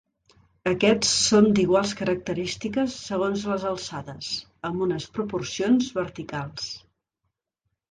Aquests són d'iguals característiques segons les alçades, amb unes proporcions verticals.